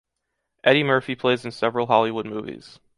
Eddy Murphy plays in several Hollywood movies.